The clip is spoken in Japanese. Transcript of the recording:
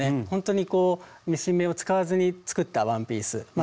ほんとにこうミシン目を使わずに作ったワンピース。